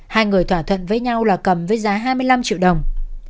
hai người thỏa thuận với nhau là cầm với giá hai mươi năm triệu đồng